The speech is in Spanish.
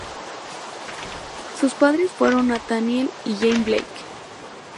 Sus padres fueron Nathaniel y Jane Blake.